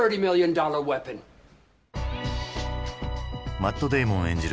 マット・デイモン演じる